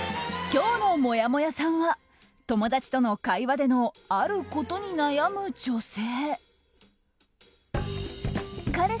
今日のもやもやさんは友達との会話でのあることに悩む女性。